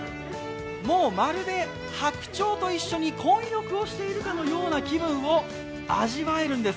もうまるで白鳥と一緒に混浴をしているかのような気分を味わえるんです。